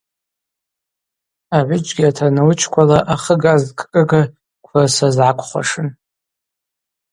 Агӏвыджьгьи атарнаучквала ахыга азкӏкӏыга кврыс рызгӏаквхуашын.